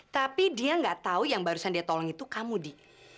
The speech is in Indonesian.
tapi dia nggak tahu yang barusan dia tolong itu kamudi